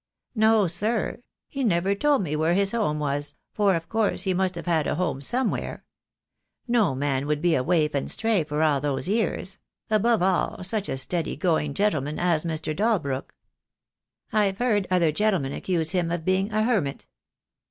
"No, sir, he never told me where his home was, for of course he must have had a home somewhere. No man would be a waif and stray for all those years — above all, such a steady going gentleman as Mr. Dalbrook. I've THE DAY WILL COME. 65 heard other gentlemen accuse him of being a hermit.